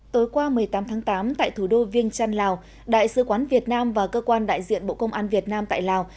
tối qua một mươi tám tháng tám tại thủ đô viêng trăn lào đại sứ quán việt nam và cơ quan đại diện bộ công an việt nam tại lào